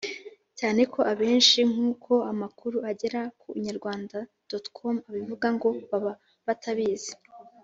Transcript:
cyane ko abenshi nk'uko amakuru agera ku inyarwanda.com abivuga ngo baba batabizi.